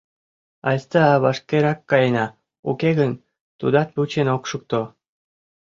— Айста, вашкерак каена, уке гын, тудат вучен ок шукто.